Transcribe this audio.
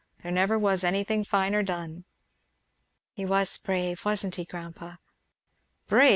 There never was anything finer done." "He was brave, wasn't he, grandpa?" "Brave!